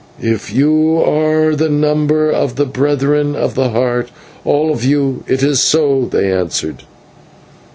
"If you are of the number of the Brethren of the Heart, all of you, it is so," they answered.